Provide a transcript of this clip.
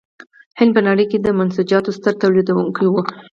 هند په نړۍ کې د منسوجاتو ستر تولیدوونکی و.